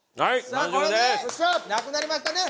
さあこれでなくなりましたね。